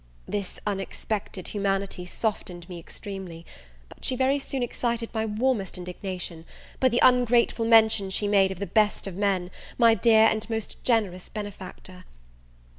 This unexpected humanity softened me extremely; but she very soon excited my warmest indignation, by the ungrateful mention she made of the best of men, my dear and most generous benefactor.